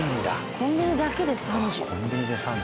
コンビニだけで３０。